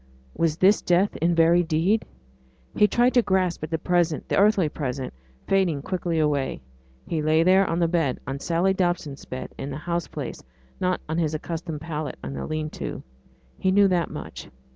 Was this death in very deed? He tried to grasp at the present, the earthly present, fading quick away. He lay there on the bed on Sally Dobson's bed in the house place, not on his accustomed pallet in the lean to. He knew that much.